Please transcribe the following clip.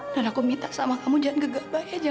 dan aku minta sama kamu jangan gegabah aja